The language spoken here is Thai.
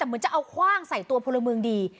เหมือนจะเอาคว่างใส่ตัวพลเมืองดี